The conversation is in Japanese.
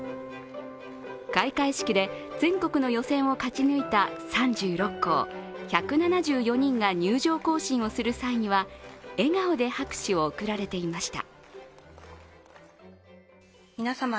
開会式で全国の予選を勝ち抜いた３６校、１７４人が入場行進をする際には、笑顔で拍手を送られていました。